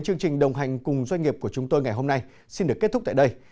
chương trình đồng hành cùng doanh nghiệp của chúng tôi ngày hôm nay xin được kết thúc tại đây